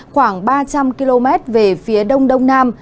khoảng ba trăm linh km về phía đông đông nam